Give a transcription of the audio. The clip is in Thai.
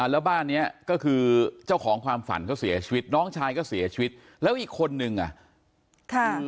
แล้วบ้านเนี้ยก็คือเจ้าของความฝันเขาเสียชีวิตน้องชายก็เสียชีวิตแล้วอีกคนนึงอ่ะค่ะ